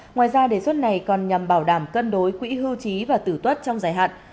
ngoài ra đề xuất này còn nhằm bảo đảm cân đối quỹ hưu trí và tử tuất trong dài hạn